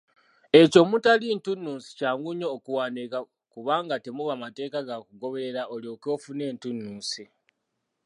Ekyo omutali ntunnunsi kyangu nnyo okuwandiika kubanga temuba mateeka ga kugoberera olyoke ofune entunnunsi.